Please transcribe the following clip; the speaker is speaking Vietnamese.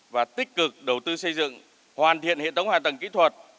và tích cực đầu tư xây dựng hoàn thiện hệ thống hạ tầng kỹ thuật